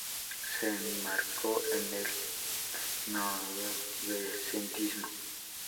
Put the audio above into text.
Se enmarcó en el novecentismo.